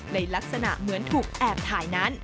ในลักษณะเหมือนถูกแอบถ่ายนั้น